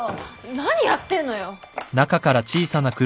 何やってんのよ？